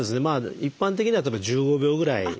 一般的には１５秒ぐらい。